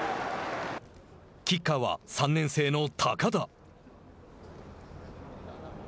キッカーは３年生の高田。